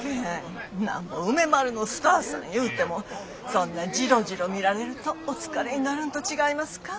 なんぼ梅丸のスターさんいうてもそんなジロジロ見られるとお疲れになるんと違いますか？